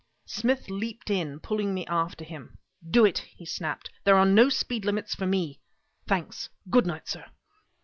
Smith leaped in, pulling me after him. "Do it!" he snapped. "There are no speed limits for me. Thanks! Goodnight, sir!"